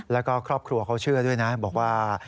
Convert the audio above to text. แล้วก็ครอบครัวเขาเชื่อด้วยนะบอกว่า